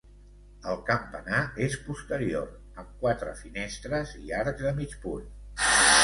El campanar és posterior, amb quatre finestres i arcs de mig punt.